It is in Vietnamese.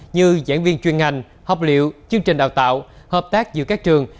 như giảng viên chuyên ngành học liệu chương trình đào tạo hợp tác giữa các trường